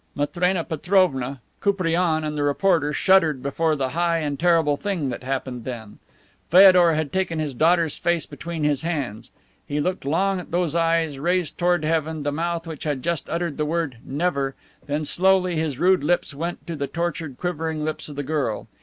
Matrena Petrovna, Koupriane and the reporter shuddered before the high and terrible thing that happened then. Feodor had taken his daughter's face between his hands. He looked long at those eyes raised toward heaven, the mouth which had just uttered the word "Never," then, slowly, his rude lips went to the tortured, quivering lips of the girl.